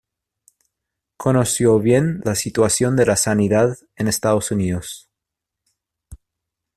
Conoció bien la situación de la sanidad en Estados Unidos.